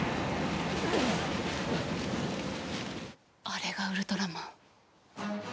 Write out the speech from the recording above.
あれがウルトラマン。